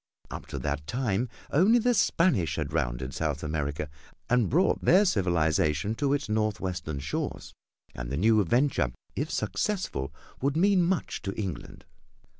Up to that time only the Spanish had rounded South America and brought their civilization to its northwestern shores, and the new venture, if successful, would mean much to England.